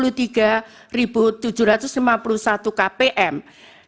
jadi mereka menerima sebelas juta dan mereka menerima dua belas juta